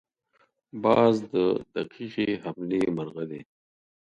باز د دقیقې حملې مرغه دی